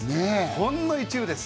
ほんの一部です。